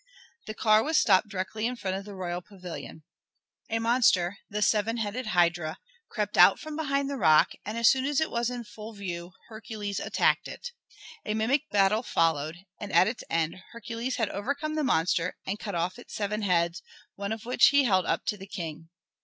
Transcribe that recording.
The car was stopped directly in front of the royal pavilion. A monster, the seven headed hydra, crept out from behind the rock, and as soon as it was in full view Hercules attacked it. A mimic battle followed, and at its end Hercules had overcome the monster and cut off its seven heads, one of which he held up to the King.